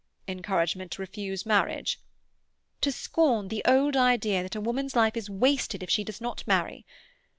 "Encouragement to refuse marriage?" "To scorn the old idea that a woman's life is wasted if she does not marry.